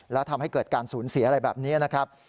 แล้วทำให้เกิดการสูญเสียอะไรแบบนี้นะครับ